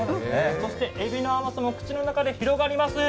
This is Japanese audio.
そしてエビの甘さも口の中で広がります。